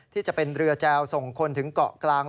ที่จะเป็นเรือแจวส่งคนถึงเกาะกลาง